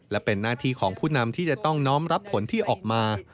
และเป็นหน้าที่ของผู้นำที่จะต้องน้อมรับผลที่ออกมา